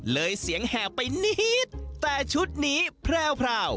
เลยเสียงแห่งไปนิฮีทแต่ชุดหนี้แพร่ว